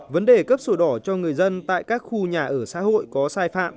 vấn đề cấp sổ đỏ cho người dân tại các khu nhà ở xã hội có sai phạm